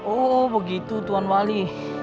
oh begitu tuan wali